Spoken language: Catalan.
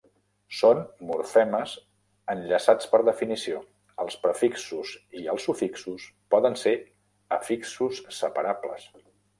Són morfemes enllaçats per definició; els prefixos i els sufixos poden ser afixos separables.